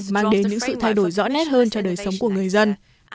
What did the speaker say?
mang đến những sự thay đổi rõ nét hơn cho đời sống của người dân